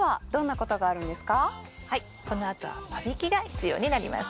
このあとは間引きが必要になります。